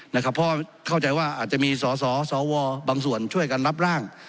เพราะเข้าใจว่าอาจจะมีสสวบางส่วนช่วยกันรับร่าง